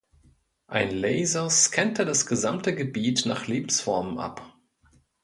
Ein Laser scannte das gesamte Gebiet nach Lebensformen ab.